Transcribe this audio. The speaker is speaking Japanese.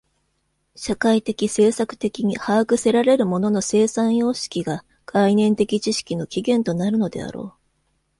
社会的制作的に把握せられる物の生産様式が概念的知識の起源となるのであろう。